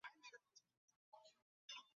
顺天府乡试第八十七名。